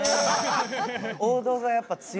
王道がやっぱ強いんだな。